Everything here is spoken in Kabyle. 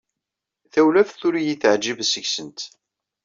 Tawlaft ur yi-teɛǧib seg-sent.